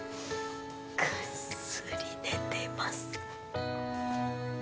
ぐっすり寝てます